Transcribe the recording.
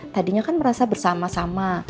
tadinya kan merasa bersama sama